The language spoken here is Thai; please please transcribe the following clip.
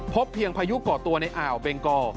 พบเพียงพายุก่อตัวในอ่าวเบงกอ